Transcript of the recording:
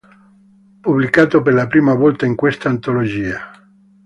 Pubblicato per la prima volta in questa antologia.